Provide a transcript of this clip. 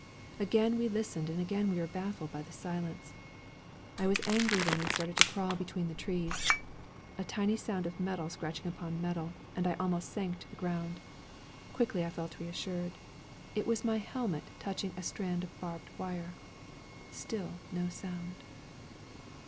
Again we listened and again we were baffled by that silence. I was angry then and started to crawl between the trees. A tiny sound of metal scratching upon metal and I almost sank into the ground! Quickly I felt reassured. It was my helmet touching a strand of barbed wire. Still no sound!